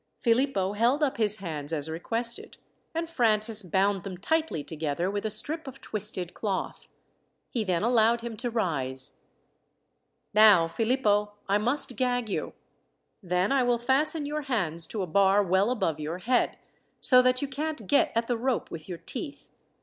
Philippo held up his hands as requested, and Francis bound them tightly together with a strip of twisted cloth. He then allowed him to rise. "Now, Philippo, I must gag you. Then I will fasten your hands to a bar well above your head, so that you can't get at the rope with your teeth.